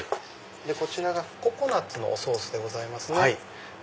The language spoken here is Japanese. こちらがココナツのおソースでございます。